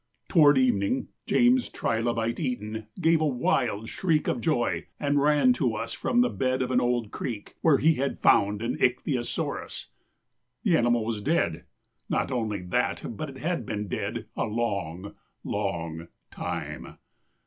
Toward evening James Trilobite Eton gave a wild shriek of joy and ran to us from the bed of an old creek, where he had found an ichthyosaurus. The animal was dead! Not only that, but it had been dead a long, long time!